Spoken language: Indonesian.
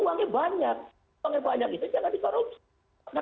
uangnya banyak itu jangan dikorupsi